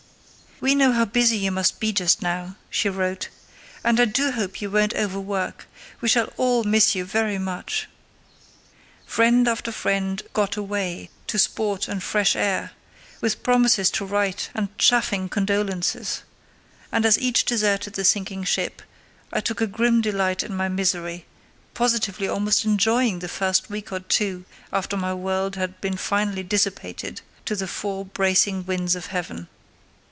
"We know how busy you must be just now", she wrote, "and I do hope you won't overwork; we shall all miss you very much." Friend after friend "got away" to sport and fresh air, with promises to write and chaffing condolences, and as each deserted the sinking ship, I took a grim delight in my misery, positively almost enjoying the first week or two after my world had been finally dissipated to the four bracing winds of heaven.